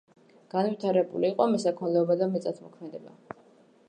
განვითარებული იყო მესაქონლეობა და მიწათმოქმედება.